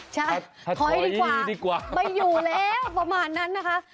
ใช่ถอยดีกว่าดีกว่าไม่อยู่แล้วประมาณนั้นนะคะ